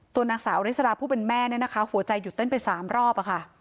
ตัวนักศึกษาอริสระผู้เป็นแม่หัวใจหยุดเต้นไป๓รอบค่ะ